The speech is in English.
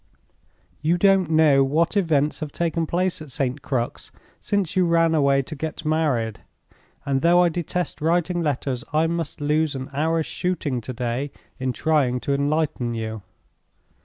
You don't know what events have taken place at St. Crux since you ran away to get married; and though I detest writing letters, I must lose an hour's shooting to day in trying to enlighten you.